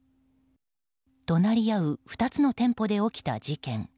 隣り合う２つの店舗で起きた事件。